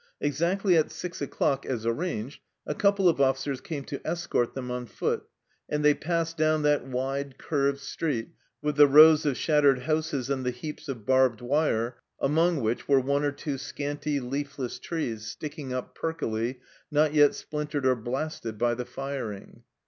Exactly at six o'clock, as arranged, a couple of officers came to escort them on foot, and they passed dow r n that wide, curved street, with the rows of shattered houses and the heaps of barbed wire, among which were one or two scanty, leafless trees sticking up perkily, not yet splintered or blasted by the firing.